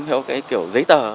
theo kiểu giấy tờ